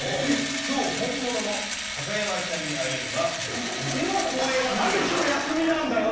今日本物の高山ちゃんに会えるのがとても光栄だという。